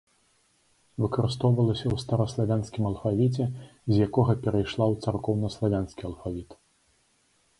Выкарыстоўвалася ў стараславянскім алфавіце, з якога перайшла ў царкоўнаславянскі алфавіт.